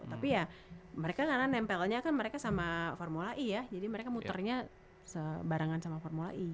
tapi ya mereka karena nempelnya kan mereka sama formula e ya jadi mereka muternya sebarangan sama formula e